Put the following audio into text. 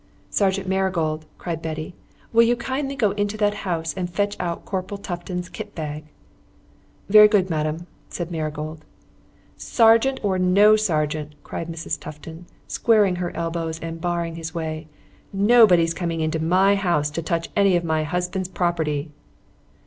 "Sergeant Marigold," cried Betty. "Will you kindly go into that house and fetch out Corporal Tufton's kit bag?" "Very good, madam," said Marigold. "Sergeant or no sergeant," cried Mrs. Tufton, squaring her elbows and barring his way, "nobody's coming into my house to touch any of my husband's property...."